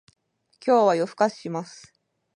今日は夜更かしします